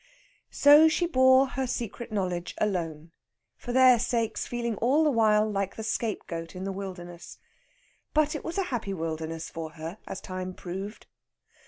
So she bore her secret knowledge alone, for their sakes feeling all the while like the scapegoat in the wilderness. But it was a happy wilderness for her, as time proved.